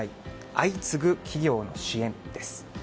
相次ぐ企業の支援です。